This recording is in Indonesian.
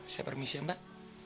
saya permisi mbak